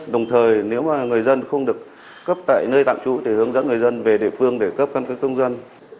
đồng thời nếu mà người dân không được cấp tại nơi tạm trú thì hướng dẫn người dân về địa phương để cấp cân cấp công dân